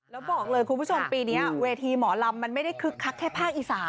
แล้วบอกเลยคุณผู้ชมปีนี้เวทีหมอลำมันไม่ได้คึกคักแค่ภาคอีสาน